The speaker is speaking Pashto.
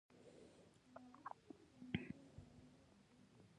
بادام د افغانستان د جغرافیایي موقیعت پوره یوه پایله ده.